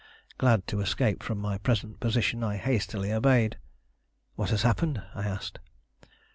Glad to escape from my present position, I hastily obeyed. "What has happened?" I asked.